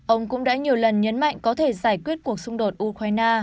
ông cũng đã nhiều lần nhấn mạnh có thể giải quyết cuộc xung đột ukraine